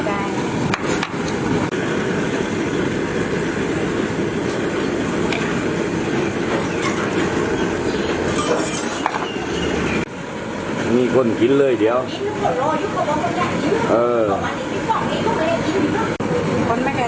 ก่อนเขาถนอกก่อนที่รอบบน้ำ